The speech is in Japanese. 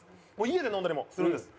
家で飲んだりもするんです。